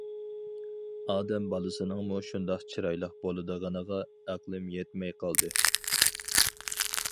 ئادەم بالىسىنىڭمۇ شۇنداق چىرايلىق بولىدىغىنىغا ئەقلىم يەتمەي قالدى.